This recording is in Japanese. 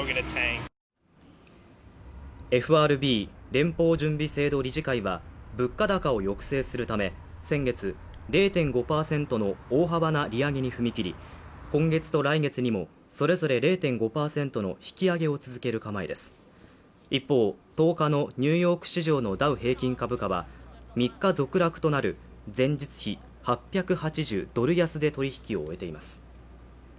ＦＲＢ＝連邦準備制度理事会は物価高を抑制するため先月０．５％の大幅な利上げに踏み切り今月と来月にもそれぞれ０．５％の引き上げを続ける構えです一方１０日のニューヨーク市場のダウ平均株価は３日続落となる前日比８８０ドル安で取引を終えています